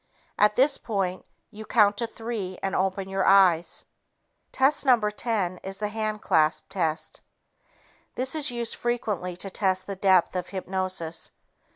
At this point you count to three and open your eyes. Test No. 10 is the "handclasp" test. This is used frequently to test the depth of hypnosis.